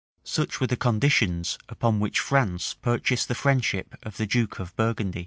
[] Such were the conditions upon which France purchased the friendship of the duke of Burgundy.